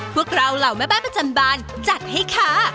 พวกเราเหล่าแม่บ้านประจำบานจัดให้ค่ะ